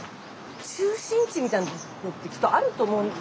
中心地みたいな所ってきっとあると思うんです。